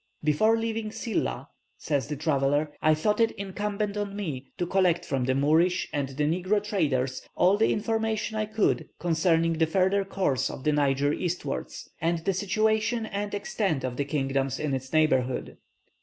"Before leaving Silla," says the traveller, "I thought it incumbent on me to collect from the Moorish and negro traders all the information I could concerning the further course of the Niger eastward, and the situation and extent of the kingdoms in its neighbourhood.